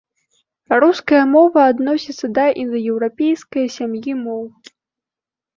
Руская мова адносіцца да індаеўрапейскае сям'і моў.